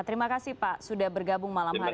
terima kasih pak sudah bergabung malam hari ini